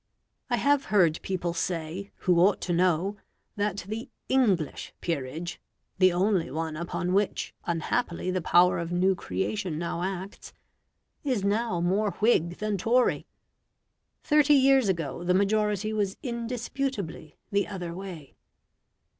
I have heard people say, who ought to know, that the ENGLISH peerage (the only one upon which unhappily the power of new creation now acts) is now more Whig than Tory. Thirty years ago the majority was indisputably the other way.